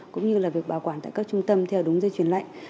cũng như là việc bảo quản tại các trung tâm theo đúng dây chuyển lạnh